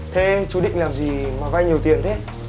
thế chú định làm gì mà vay nhiều tiền thế